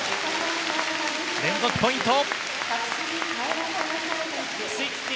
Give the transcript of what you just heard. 連続ポイント！